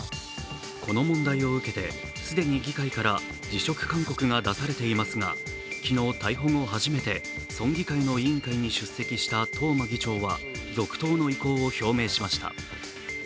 この問題を受けて、既に議会から辞職勧告が出されていますが、昨日、逮捕後初めて村議会の委員会に出席した東間議長は続投の意向を表明しました。